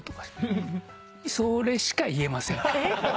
それしか言えません。